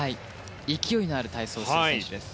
勢いのある体操をする選手です。